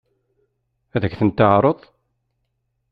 Ad k-ten-teɛṛeḍ?